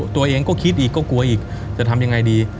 ตัวเองก็คิดอีกก็กลัวอีกจะทำยังไงดี